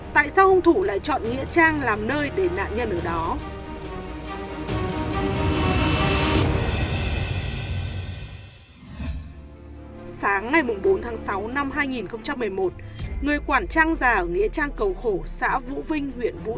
tại sao hung thủ lại chọn nghĩa trang làm nơi để nạn nhân ở đó